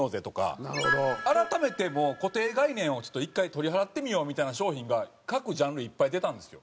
改めて固定概念をちょっと１回取り払ってみようみたいな商品が各ジャンルいっぱい出たんですよ。